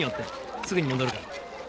すぐに戻るから。